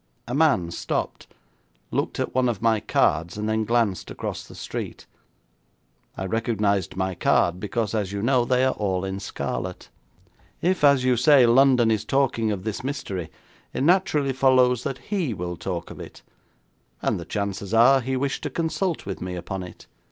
A man stopped, looked at one of my cards, and then glanced across the street. I recognised my card, because, as you know, they are all in scarlet. If, as you say, London is talking of this mystery, it naturally follows that he will talk of it, and the chances are he wished to consult with me upon it.